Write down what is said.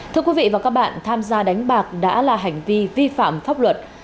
thưa quý vị và các bạn tham gia đánh bạc đã là hành vi vi phạm pháp luật